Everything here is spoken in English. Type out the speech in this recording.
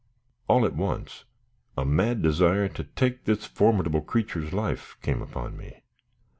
All at once a mad desire to take this formidable creature's life came upon me.